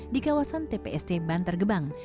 di kawasan tpst bantar gebang